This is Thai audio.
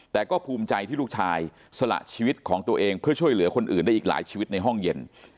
แต่ก็ภูมิใจที่ลูกชายสละชีวิตของตัวเองเพื่อช่วยเหลือคนอื่นได้อีกหลายชีวิตในห้องเย็น